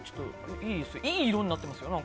いい色になってますよ。